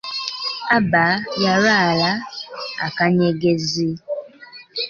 Aba yalwala akanyegezi.